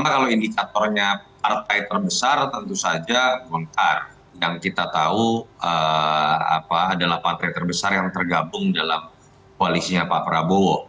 karena kalau indikatornya partai terbesar tentu saja golkar yang kita tahu adalah partai terbesar yang tergabung dalam koalisinya pak prabowo